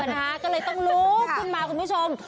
นะคะก็เลยต้องลุกขึ้นมาคุณผู้ชม